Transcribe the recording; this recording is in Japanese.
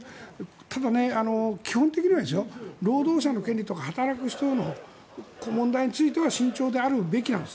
ただ、基本的には労働者とか働く人の権利の問題については慎重であるべきなんです。